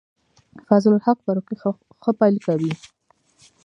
فضل الحق فاروقي ښه پیل کوي.